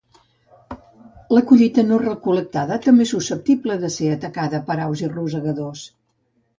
La collita no recol.lectada també és susceptible de ser atacada per aus i rosegadors.